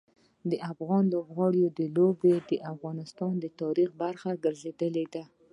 د افغان لوبغاړو لوبې د افغانستان د تاریخ برخه ګرځېدلي دي.